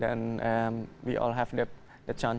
dan kita semua memiliki kesempatan